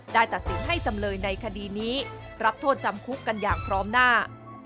ตัดสินให้จำเลยในคดีนี้รับโทษจำคุกกันอย่างพร้อมหน้า